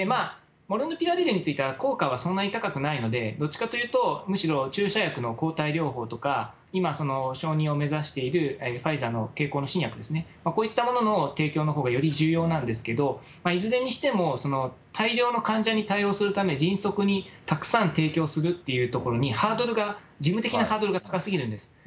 モルヌピラビルについては効果はそんなに高くないので、どっちかというと、むしろ注射薬の抗体療法とか、今、承認を目指しているファイザーの経口の新薬ですね、こういったものの提供のほうがより重要なんですけど、いずれにしても、大量の患者に対応するため、迅速にたくさん提供するっていうところにハードルが、事務的なハードルが高すぎるんです。